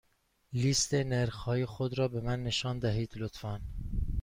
لیست نرخ های خود را به من نشان دهید، لطفا.